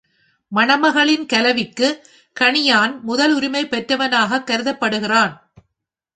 மணமகளின் கலவிக்குக் கணியான் முதல் உரிமை பெற்றவனாகக் கருதப்படுகிறான்.